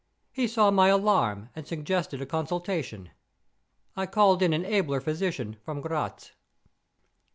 He saw my alarm, and suggested a consultation. I called in an abler physician, from Gratz.